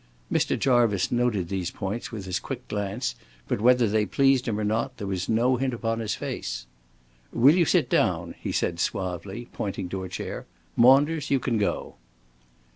Mr. Jarvice noted these points with his quick glance, but whether they pleased him or not there was no hint upon his face. "Will you sit down?" he said, suavely, pointing to a chair. "Maunders, you can go."